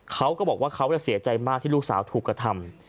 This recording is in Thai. เขาก็บอกว่าเขาจะเสียใจมากที่ลูกสาวถูกกระทำ